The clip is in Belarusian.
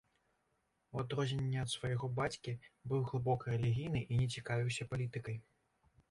У адрозненне ад свайго бацькі, быў глыбока рэлігійны і не цікавіўся палітыкай.